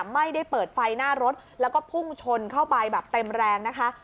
ไม่ได้เปิดไฟหน้ารถแล้วก็พุ่งชนเข้าไปแบบเต็มแรงนะคะ